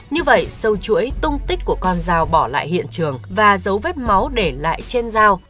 như vậy sâu chuỗi tung tích của con dao bỏ lại hiện trường và dấu vết máu để lại trên dao